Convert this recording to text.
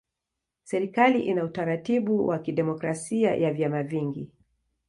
Serikali ina utaratibu wa kidemokrasia ya vyama vingi.